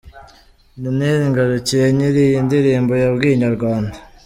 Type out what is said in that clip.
Daniel Ngarukiye nyiri iyi ndirimbo yabwiye Inyarwanda.